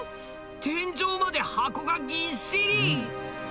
天井まで箱がぎっしり！